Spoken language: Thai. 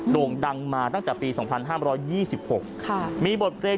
ด่วงดังมาตั้งจากปีสองพันห้ามร้อยยี่สิบหกค่ะมีบทเพลง